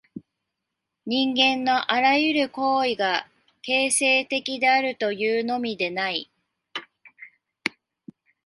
人間のあらゆる行為が形成的であるというのみでない。